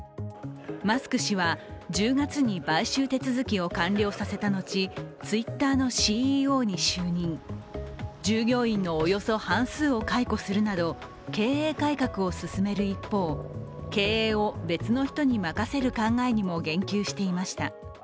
マスク氏は１０月に買収手続きを完了させた後、ＴｗｉｔｔｅｒのＣＥＯに就任従業員のおよそ半数を解雇するなど経営改革を進める一方経営を別の人に任せる考えにも言及していました。